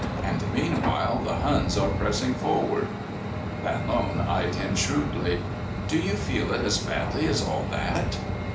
And, meanwhile, the Huns are pressing forward." Van Loan eyed him shrewdly. "Do you feel it as badly as all that?"